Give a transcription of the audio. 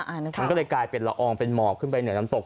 มันก็เลยกลายเป็นละอองเป็นหมอกขึ้นไปเหนือน้ำตก